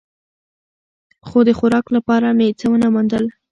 خو د خوراک لپاره مې څه و نه موندل.